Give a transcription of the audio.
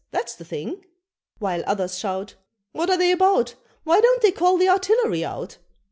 that's the thing?" While others shout, "What are they about? Why don't they call the artillery out?"